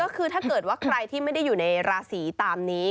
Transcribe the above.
ก็คือถ้าเกิดว่าใครที่ไม่ได้อยู่ในราศีตามนี้